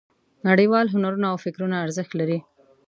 نړیوال هنرونه او فکرونه ارزښت لري.